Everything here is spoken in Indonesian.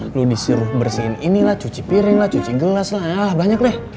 lo disuruh bersihin ini lah cuci piring lah cuci gelas lah banyak deh